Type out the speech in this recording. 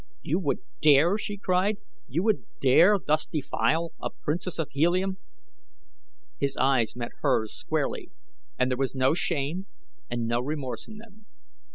"You would dare?" she cried. "You would dare thus defile a princess of Helium?" His eyes met hers squarely and there was no shame and no remorse in them.